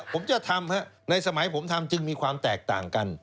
ผมจะทำในสมัยผมทำจึงมีความแตกต่างกัน